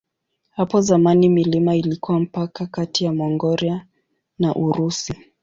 Hapo zamani milima ilikuwa mpaka kati ya Mongolia na Urusi.